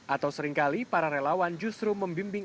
atau seringkali para relawan justru membimbing